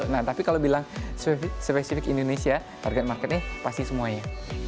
nah tapi kalau bilang spesifik indonesia harga marketnya pasti semuanya